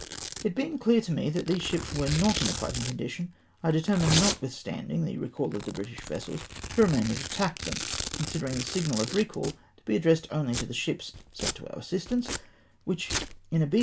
It being clear to me that these ships were not in a fighting condition, I determined, notwithstanding the recall of the British vessels, to remam and attack them ; considermg the signal of recall to be addressed only to the ships sent to our assistance, Avhich, in obef.